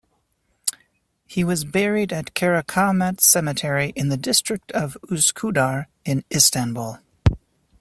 He was buried at Karacaahmet Cemetery in the district of Üsküdar at Istanbul.